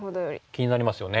気になりますよね。